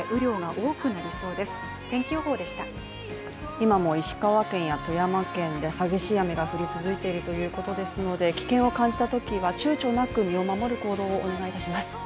今も石川県や富山県で激しい雨が降り続いているということですので危険を感じたときはちゅうちょなく身を守る行動をお願いします。